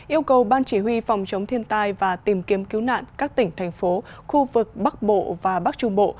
yêu cầu ban chỉ huy phòng chống thiên tai và tìm kiếm cứu nạn các tỉnh thành phố khu vực bắc bộ và bắc trung bộ